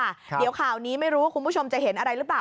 เดี๋ยวข่าวนี้ไม่รู้ว่าคุณผู้ชมจะเห็นอะไรหรือเปล่า